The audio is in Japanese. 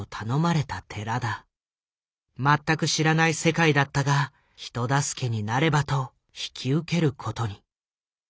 全く知らない世界だったが人助けになればと引き受けることに。